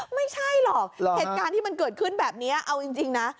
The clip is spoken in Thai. ไม่ใช่หรอกเหตุการณ์ที่มันเกิดขึ้นแบบนี้เอาจริงนะ